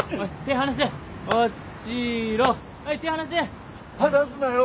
離すなよ。